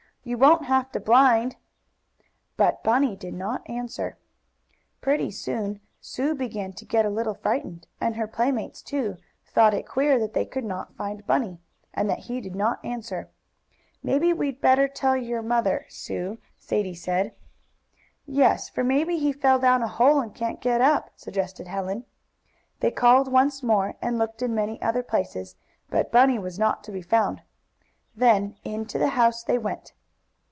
You won't have to blind." But Bunny did not answer. Pretty soon Sue began to get a little frightened, and her playmates, too, thought it queer that they could not find Bunny, and that he did not answer. "Maybe we'd better tell your mother, Sue," Sadie said. "Yes, for maybe he fell down a hole, and can't get up," suggested Helen. They called once more, and looked in many other places, but Bunny was not to be found. Then into the house they went.